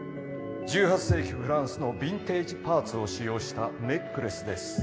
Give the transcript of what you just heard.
１８世紀フランスのヴィンテージパーツを使用したネックレスです。